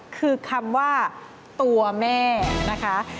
คือคำว่าตัวแม่นะคะ